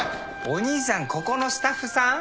お兄さんここのスタッフさん？